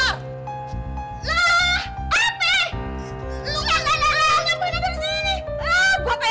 lo gak ada anak anak gue yang ada di sini